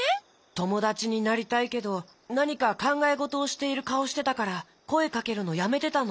ともだちになりたいけどなにかかんがえごとをしているかおしてたからこえかけるのやめてたの。